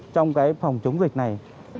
trong cái phòng chống dịch này